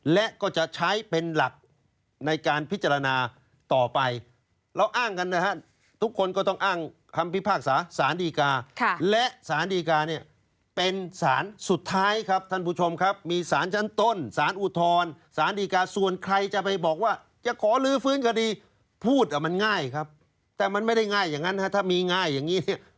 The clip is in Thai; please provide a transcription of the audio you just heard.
และก็จะใช้เป็นหลักในการพิจารณาต่อไปเราอ้างกันนะฮะทุกคนก็ต้องอ้างคำพิพากษาสารดีกาและสารดีกาเนี่ยเป็นสารสุดท้ายครับท่านผู้ชมครับมีสารชั้นต้นสารอุทธรสารดีกาส่วนใครจะไปบอกว่าจะขอลื้อฟื้นคดีพูดมันง่ายครับแต่มันไม่ได้ง่ายอย่างนั้นฮะถ้ามีง่ายอย่างนี้เนี่ย